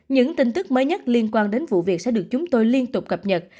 những tin tức mới nhất liên quan đến vụ việc sẽ được chúng tôi liên tục cập nhật